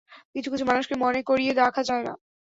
কিছু কিছু মানুষকে মনে করিয়ে রাখা যায় না?